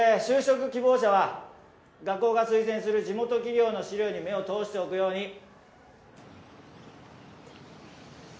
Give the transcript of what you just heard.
就職希望者は学校が推薦する地元企業の資料に目を通しておくように。